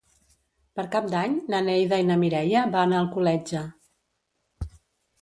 Per Cap d'Any na Neida i na Mireia van a Alcoletge.